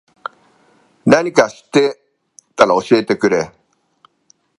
なにか知ってたら教えてくれ。